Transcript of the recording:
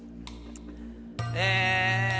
え。